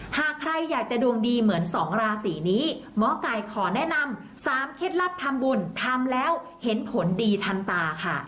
หากใครอยากจะดวงดีเหมือน๒ราศีนี้หมอไก่ขอแนะนำ๓เคล็ดลับทำบุญทำแล้วเห็นผลดีทันตาค่ะ